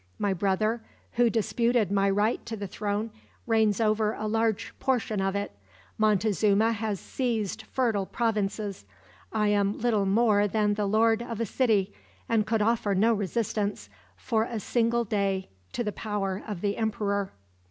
My brother, who disputed my right to the throne, reigns over a large portion of it. Montezuma has seized fertile provinces. I am little more than the lord of a city; and could offer no resistance, for a single day, to the power of the Emperor.